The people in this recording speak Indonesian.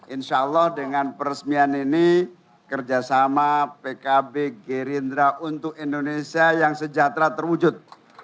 insya allah dengan peresmian ini kerjasama pkb gerindra untuk indonesia yang sejahtera terwujud